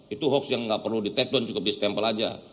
itu hoax yang nggak perlu di take down cukup di stempel aja